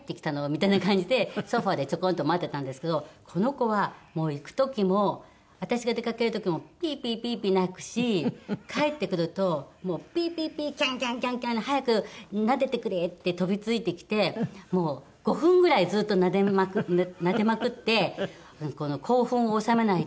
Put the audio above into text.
みたいな感じでソファでちょこんと待ってたんですけどこの子は行く時も私が出かける時もピーピーピーピー鳴くし帰ってくるとピーピーピーキャンキャンキャンキャン早くなでてくれって飛びついてきてもう５分ぐらいずっとなでまくってこの興奮を治めないと許してくれない。